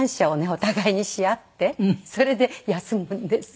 お互いにし合ってそれで休むんです。